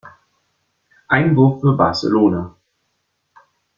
Einwurf für Barcelona.